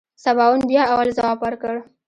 سباوون بيا اول ځواب ورکړ.